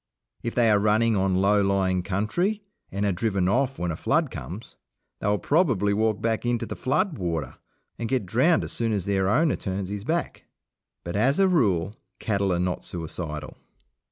If they are running on low lying country and are driven off when a flood comes, they will probably walk back into the flood water and get drowned as soon as their owner turns his back. But, as a rule, cattle are not suicidal.